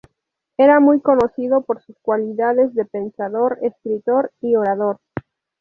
Era muy conocido por sus cualidades de pensador, escritor y orador.